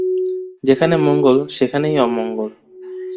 যেখানে মঙ্গল, সেখানেই অমঙ্গল।